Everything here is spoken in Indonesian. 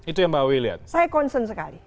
itu yang mbak wi lihat saya concern sekali